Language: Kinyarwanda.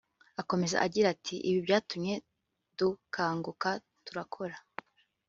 Akomeza agira ati” Ibi byatumye dukanguka turakora